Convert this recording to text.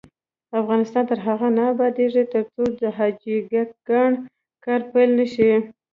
افغانستان تر هغو نه ابادیږي، ترڅو د حاجي ګک کان کار پیل نشي.